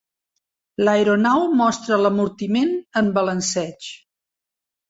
L'aeronau mostra l'amortiment en balanceig.